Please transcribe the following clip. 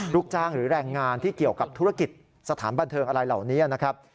ลูกจ้างหรือแรงงานที่เกี่ยวกับธุรกิจสถานบันเทิงอะไรเหล่านี้นะครับ